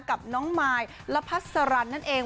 กับน้องมายและพัสรันนั่นเอง